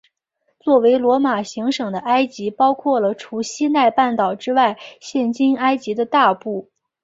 作为罗马行省的埃及包括了除西奈半岛之外现今埃及的大部。